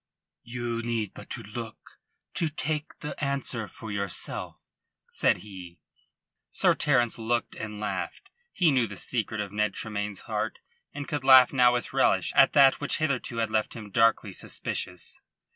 "You need but to look to take the answer for yourself," said he. Sir Terence looked, and laughed. He knew the secret of Ned Tremayne's heart and could laugh now with relish at that which hitherto had left him darkly suspicious.